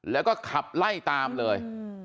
แล้วก็ขับไล่ตามเลย